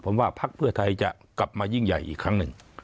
ผมว่าพักเพื่อไทยจะกลับมายิ่งใหญ่อีกครั้งหนึ่ง